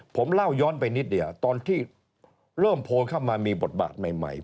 ผมเล่าย้อนไปนิดเดียวตอนที่เริ่มโพลเข้ามามีบทบาทใหม่